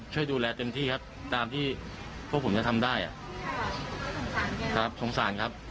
ช่วยดูแลเต็มที่ครับตามที่พวกผมจะทำได้อ่ะครับสงสารครับ